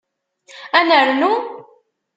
Ad nernu?